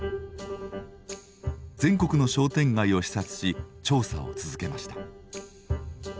全国の商店街を視察し調査を続けました。